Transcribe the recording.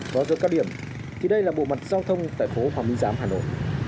vào giữa các điểm thì đây là bộ mặt giao thông tại phố hòa minh giám hà nội